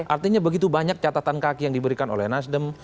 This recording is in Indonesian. artinya begitu banyak catatan kaki yang diberikan oleh nasdem